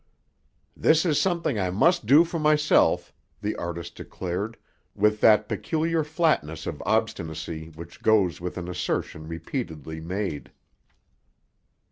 "This is something I must do for myself," the artist declared, with that peculiar flatness of obstinacy which goes with an assertion repeatedly made.